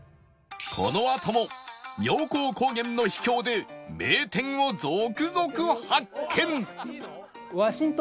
このあとも妙高高原の秘境で名店を続々発見！